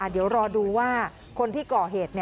เดี๋ยวรอดูว่าคนที่ก่อเหตุ